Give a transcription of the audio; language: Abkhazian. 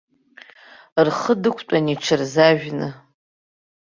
Рхы дықәтәан иҽырзажәны.